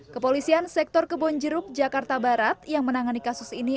kepolisian sektor kebonjeruk jakarta barat yang menangani kasus ini